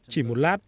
chỉ một lát